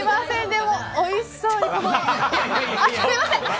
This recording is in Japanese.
でもおいしそうに。